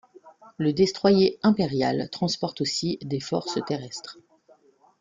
Le destroyer Impérial transporte aussi des forces terrestres.